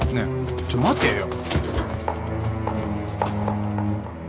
ちょっと待てよ！